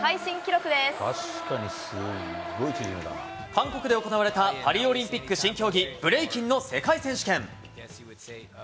韓国で行われた、パリオリンピック新競技、ブレイキンの世界選手権。